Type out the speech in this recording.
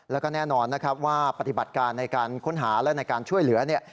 แล้วก็แน่นอนนะครับว่าปฏิบัติการในการค้นหาและในการช่วยเหลือเนี่ย